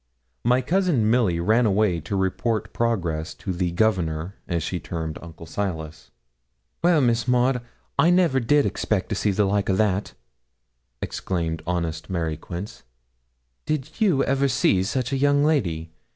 My cousin Milly ran away to report progress to 'the Governor,' as she termed Uncle Silas. 'Well, Miss Maud, I never did expect to see the like o' that!' exclaimed honest Mary Quince, 'Did you ever see such a young lady?